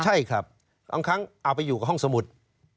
ใช่ครับบางครั้งเอาไปอยู่กับห้องสมุทร